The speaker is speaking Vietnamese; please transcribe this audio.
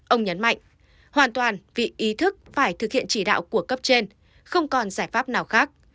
ông nhấn mạnh hoàn toàn vì ý thức phải thực hiện chỉ đạo của cấp trên không còn giải pháp nào khác